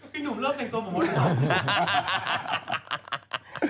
พี่หนุ่มเริ่มเป็นตัวมอธิการ